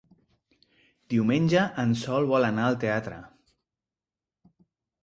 Diumenge en Sol vol anar al teatre.